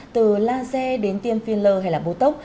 từ laser đến tiên filler hay là bố tốc